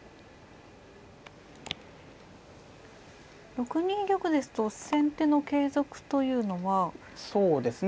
６二玉ですと先手の継続というのは。そうですね。